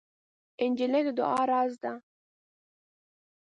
نجلۍ د دعا راز ده.